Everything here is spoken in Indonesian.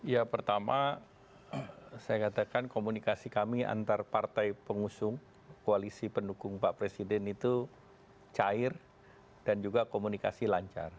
ya pertama saya katakan komunikasi kami antar partai pengusung koalisi pendukung pak presiden itu cair dan juga komunikasi lancar